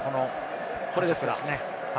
これですね。